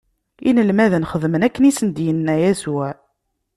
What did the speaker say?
Inelmaden xedmen akken i sen-d-inna Yasuɛ.